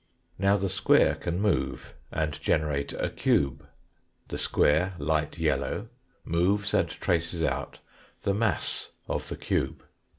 Now the square can move and generate a cube. The square light yellow moves and traces out the mass of the cube.